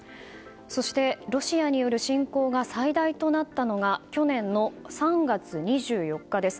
そしてロシアによる侵攻が最大となったのが去年の３月２４日です。